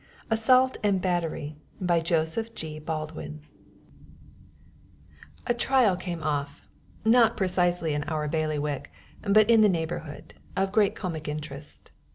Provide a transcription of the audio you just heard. ] ASSAULT AND BATTERY BY JOSEPH G. BALDWIN A trial came off, not precisely in our bailiwick, but in the neighborhood, of great comic interest.